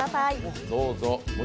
どうぞ。